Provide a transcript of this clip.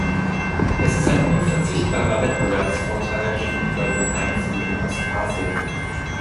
Sie ist ein unverzichtbarer Wettbewerbsvorteil gegenüber den Einfuhren aus Asien.